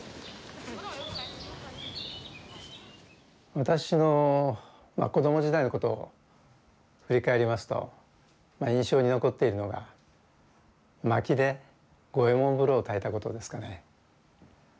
私の子ども時代のことを振り返りますと印象に残っているのが薪で五右衛門風呂をたいたことですかね。